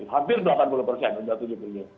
hampir delapan puluh persen